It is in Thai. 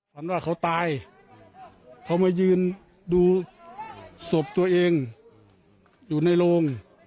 ฝันว่าเขาตายเขามายืนดูศพตัวเองอยู่ในโรง